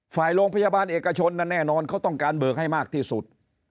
โรงพยาบาลเอกชนนั้นแน่นอนเขาต้องการเบิกให้มากที่สุด